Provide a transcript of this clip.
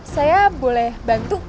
saya boleh bantu